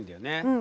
ん？